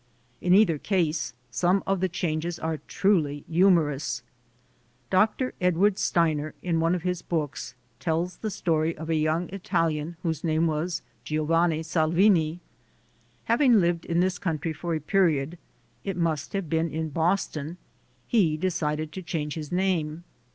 In either case, some of the changes are truly humorous. Dr. Edward Steiner in one of his books, tells the story of a young Italian whose name was Giovanni Salvini. Having lived in this country for a period, it must have been in Boston, he decided to change his name.